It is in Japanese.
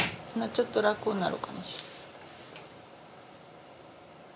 ちょっと楽になるかもしれん。